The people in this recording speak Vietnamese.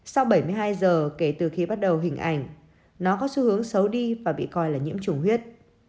sau bảy mươi hai giờ kể từ khi bắt đầu hình ảnh nó có xu hướng xấu đi và bị coi là nhiễm chủng huyết